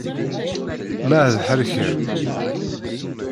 Ma ad ḥerken.